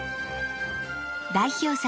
代表作